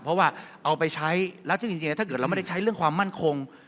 เพราะว่าเอาไปใช้แล้วซึ่งจริงถ้าเกิดเราไม่ได้ใช้เรื่องความมั่นคง